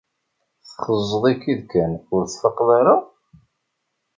Txeẓẓeḍ-ik-id kan. Ur tfaqeḍ ara?